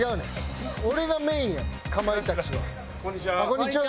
こんにちは！